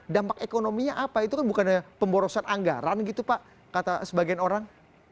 dampak ekonominya apa itu kan bukannya pemborosan anggaran gitu pak kata sebagian orang